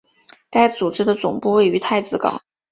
该组织的总部位于太子港。